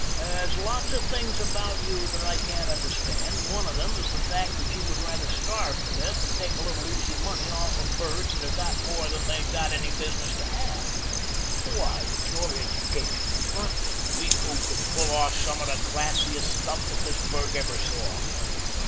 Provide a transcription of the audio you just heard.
There's lots of things about you that I can't understand, and one of them is the fact that you would rather starve to death than take a little easy money off of birds that have got more than they got any business to have. Why, with your education and front we two could pull off some of the classiest stuff that this burg ever saw."